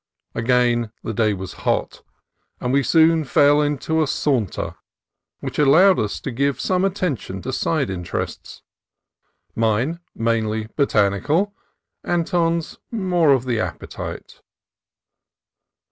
Again the day was hot, and we soon fell into a saunter which allowed us to give some attention to side interests, mine mainly botan ical, Anton's more of the appetite.